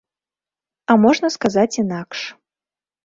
А можна сказаць інакш.